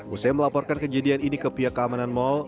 usai melaporkan kejadian ini ke pihak keamanan mal